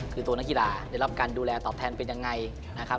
คือตัวนักกีฬาได้รับการดูแลตอบแทนเป็นยังไงนะครับ